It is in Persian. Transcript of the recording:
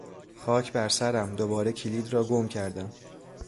خاک برسرم! دوباره کلید را گم کردم!